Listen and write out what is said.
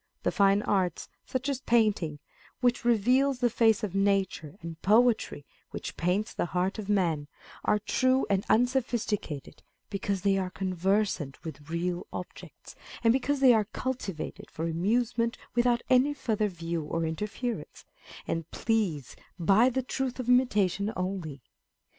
The fine arts, such as Painting, which reveals the face of nature, and Poetry, which paints the heart of man, are true and unsophisticated, because they are conversant with real objects, and because they are cultivated for amusement without any further view or inference ; and please by the truth of imitation only.